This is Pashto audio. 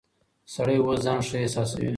سړی اوس ځان ښه احساسوي.